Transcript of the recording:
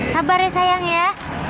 sabar ya sayang ya